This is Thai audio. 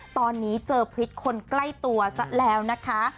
ตอนนี้เจอพิษคนใกล้ตัวซะแล้วนะคะ